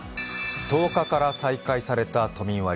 １０日から再開された都民割。